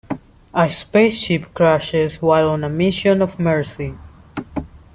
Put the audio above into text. A spaceship crashes while on a mission of mercy.